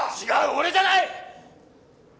俺じゃない！